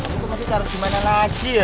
lu kok masih taro gimana lagi ya